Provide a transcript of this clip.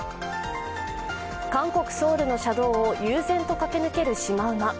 韓国・ソウルの車道を悠然と駆け抜けるシマウマ。